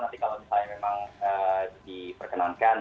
nanti kalau misalnya memang diperkenankan